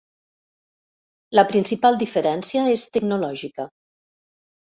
La principal diferència és tecnològica.